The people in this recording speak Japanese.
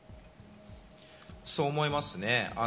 そう思いますね。